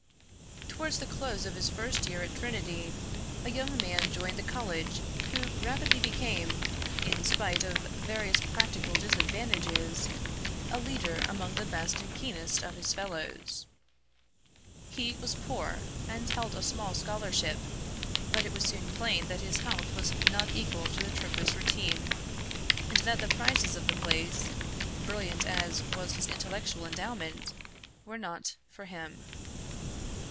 Towards the close of his first year at Trinity, & young man joined the college who rapidly became, in spite of various practical disadvantages, a leader among the best and keenest of his fellows. He was poor and held a small scholarship; but it was soon plain that his health was not equal to the Tripos routine, and that the prizes of the place, brilliant as was his intellectual endowment, were not for him.